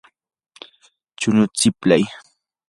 chunuta siplay.